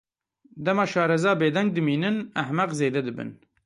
Dema şareza bêdeng dimînin, ehmeq zêde dibin.